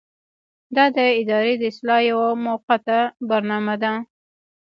دا د ادارې د اصلاح یوه موقته برنامه ده.